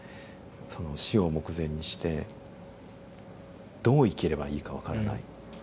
その死を目前にしてどう生きればいいか分からない。